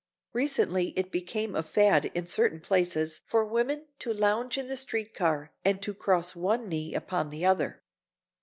Recently it became a fad in certain places for women to lounge in the street car and to cross one knee upon the other.